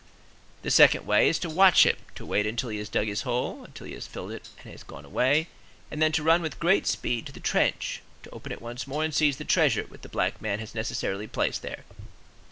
The second way is to watch him, to wait until he has dug his hole, until he has filled it and has gone away; then to run with great speed to the trench, to open it once more and to seize the "treasure" which the black man has necessarily placed there.